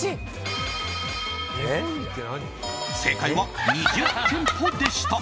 正解は２０店舗でした。